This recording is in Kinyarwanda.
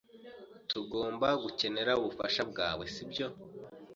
Tugomba gukenera ubufasha bwawe, si byo?